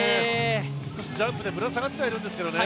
少しジャンプでぶら下がってはいるんですけどね。